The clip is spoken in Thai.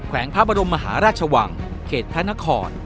วงพระบรมมหาราชวังเขตพระนคร